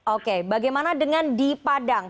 oke bagaimana dengan di padang